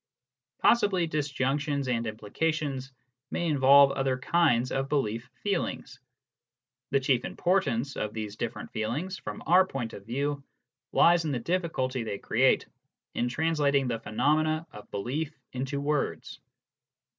Possibly disjunctions and implications may involve other kinds of belief feelings. The chief importance of these different feelings, from our point of view, lies in the difficulty they create in trans lating the phenomena of belief into words.